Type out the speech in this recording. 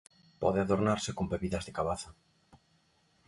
Pode adornarse con pebidas de cabaza.